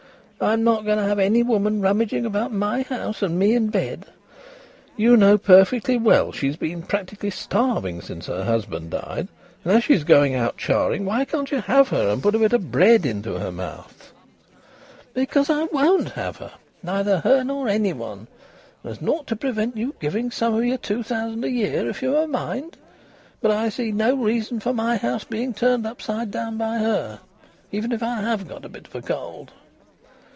"I'm not going to have any woman rummaging about my house, and me in bed." "You know perfectly well she's been practically starving since her husband died, and as she's going out charing, why can't you have her and put a bit of bread into her mouth?" "Because I won't have her! Neither her nor any one. There's naught to prevent you giving her some o' your two thousand a year if you've a mind. But I see no reason for my house being turned upside down by her, even if I have got a bit of a cold."